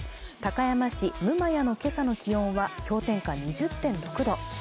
高山市六厩の今朝の気温は氷点下２０．６度。